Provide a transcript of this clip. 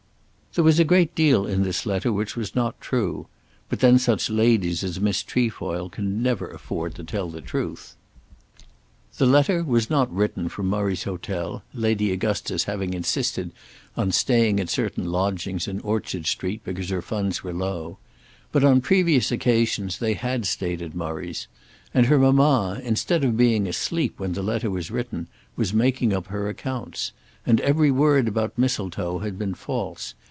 There was a great deal in this letter which was not true. But then such ladies as Miss Trefoil can never afford to tell the truth. The letter was not written from Murray's Hotel, Lady Augustus having insisted on staying at certain lodgings in Orchard Street because her funds were low. But on previous occasions they had stayed at Murray's. And her mamma, instead of being asleep when the letter was written, was making up her accounts. And every word about Mistletoe had been false.